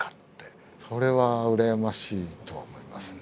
それは羨ましいと思いますね。